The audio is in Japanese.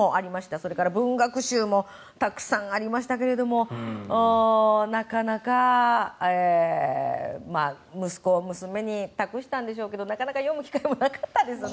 それから文学集もたくさんありましたけれどなかなか息子、娘に託したんでしょうけどなかなか読む機会もなかったですね。